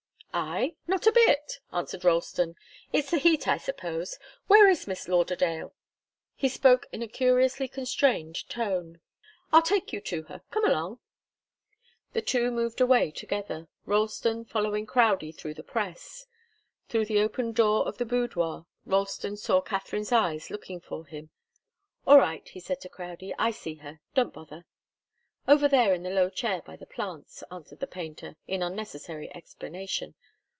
"I? Not a bit!" answered Ralston. "It's the heat, I suppose. Where is Miss Lauderdale?" He spoke in a curiously constrained tone. "I'll take you to her come along!" The two moved away together, Ralston following Crowdie through the press. Through the open door of the boudoir Ralston saw Katharine's eyes looking for him. "All right," he said to Crowdie, "I see her. Don't bother." "Over there in the low chair by the plants," answered the painter, in unnecessary explanation.